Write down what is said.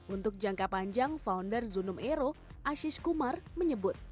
untuk jangka panjang founder zunum aero asys kumar menyebut